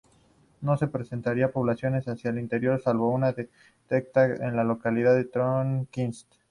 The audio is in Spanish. No presentaría poblaciones hacia el interior, salvo una detectada en la localidad de Tornquist.